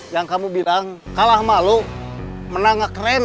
yang kamu bilang kalah malu menang gak keren